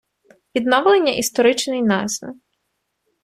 Відновлення історичної назви.